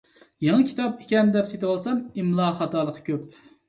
يېڭى كىتاب ئىكەن دەپ سېتىۋالسام ئىملا خاتالىقى كۆپ.